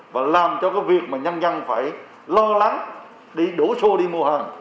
và làm cho cái việc mà nhân dân phải lo lắng đi đổ xô đi mua hàng